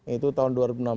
itu tahun dua ribu enam belas